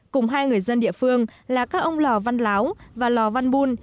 cùng hai người dân địa phương là các ông lò văn láo và lò văn bùn